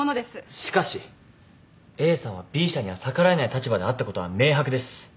しかしＡさんはＢ社には逆らえない立場であったことは明白です。